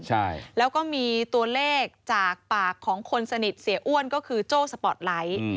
ใช่แล้วก็มีตัวเลขจากปากของคนสนิทเสียอ้วนก็คือโจ้สปอร์ตไลท์